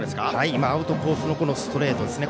今、アウトコースのストレートですね。